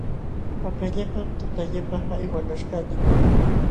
Pakallapam tutallapa hay walaśhkaq likun.